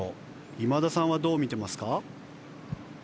今田さんはどう見ていますか？